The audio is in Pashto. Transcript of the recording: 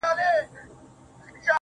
ستا د يوې لپي ښكلا په بدله كي ياران.